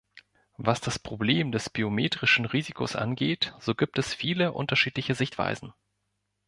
Was das Problem des biometrischen Risikos angeht, so gibt es viele unterschiedliche Sichtweisen.